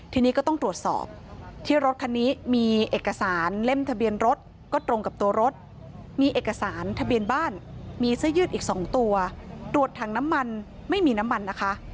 ทีนี้ก็ต้องตรวจสอบที่รถคันนี้มีเอกสารเล่มทะเบียนรถก็ตรงกับตัวรถมีเอกสารทะเบียนบ้านมีเสื้อยืดอีก๒ตัวตรวจถังน้ำมันไม่มีน้ำมันนะคะ